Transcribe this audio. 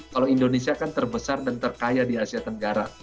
kalau indonesia kan terbesar dan terkaya di asia tenggara